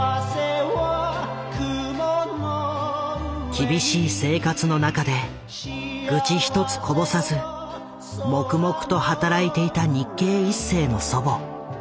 厳しい生活の中で愚痴一つこぼさず黙々と働いていた日系一世の祖母。